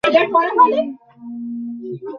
আর আমিও গান গেয়ে শুনাতে পারি।